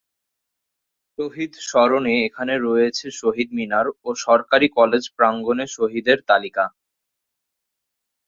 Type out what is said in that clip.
শহীদ স্মরণে এখানে রয়েছে শহীদ মিনার ও সরকারি কলেজ প্রাঙ্গনে শহীদের তালিকা।